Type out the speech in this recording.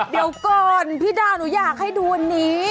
เดี๋ยวก่อนพี่ดาวหนูอยากให้ดูวันนี้